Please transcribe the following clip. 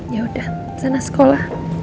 yaudah sana sekolah